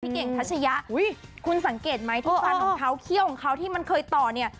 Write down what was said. เก่งทัชยะคุณสังเกตไหมที่ฟันของเขาเขี้ยวของเขาที่มันเคยต่อเนี่ย